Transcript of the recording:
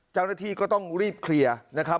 เจ้าหน้าที่ก็ต้องรีบเคลียร์นะครับ